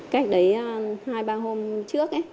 cách đấy hai ba hôm trước